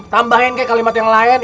tambahin kayak kalimat yang lain